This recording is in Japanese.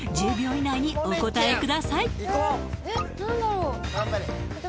１０秒以内にお答えください